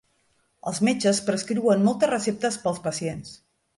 Els metges prescriuen moltes receptes per als pacients